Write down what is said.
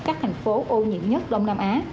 các thành phố ô nhiễm nhất đông nam á